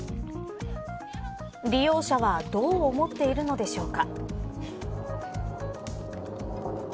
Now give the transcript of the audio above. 利用者はどう思っているのでしょうか。